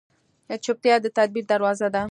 چپتیا، د تدبیر دروازه ده.